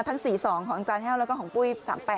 ทั้งสี่สองของจานแห้วและก็ของปุ๊ย๓๘๘๓